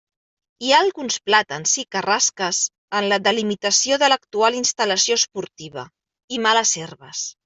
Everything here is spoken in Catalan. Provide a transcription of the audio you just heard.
Hi ha alguns plàtans i carrasques en la delimitació de l'actual instal·lació esportiva, i males herbes.